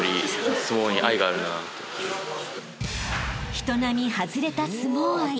［人並み外れた相撲愛。